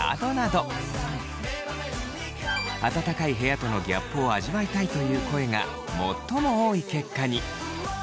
暖かい部屋とのギャップを味わいたいという声が最も多い結果に。